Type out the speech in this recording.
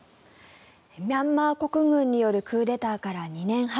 ミャンマー国軍によるクーデターから２年半。